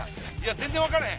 全然わからへん。